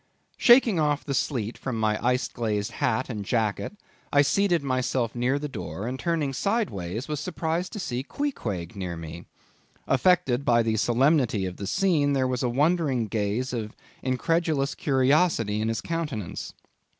Shaking off the sleet from my ice glazed hat and jacket, I seated myself near the door, and turning sideways was surprised to see Queequeg near me. Affected by the solemnity of the scene, there was a wondering gaze of incredulous curiosity in his countenance.